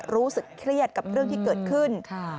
รู้สึกเครียดกับเรื่องที่เกิดขึ้น